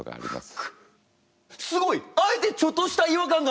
すごい！あえてちょっとした違和感がフック！